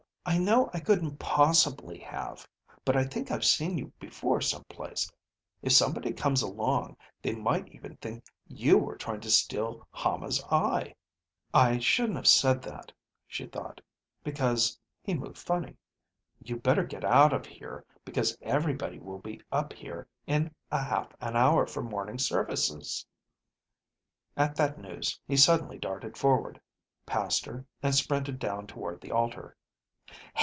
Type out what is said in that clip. I know I couldn't possibly have, but I think I've seen you before some place; if somebody comes along, they might even think you were trying to steal Hama's eye." I shouldn't have said that, she thought, because he moved funny. "You better get out of here because everybody will be up here in a half an hour for morning services." At that news, he suddenly darted forward, passed her, and sprinted down toward the altar.